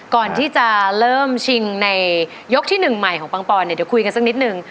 ก่อนที่จะเริ่มชิงในยกที่๑ใหม่ของปังปอนเนี่ยเดี๋ยวคุยกันสักนิดนึง